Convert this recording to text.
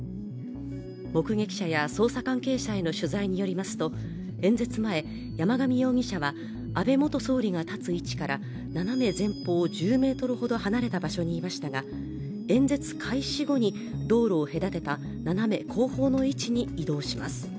目撃者や捜査関係者への取材によりますと演説前、山上容疑者は安倍元総理が立つ位置から斜め前方１０ｍほど離れた場所にいましたが演説開始後に、道路を隔てた斜め後方の位置に移動します。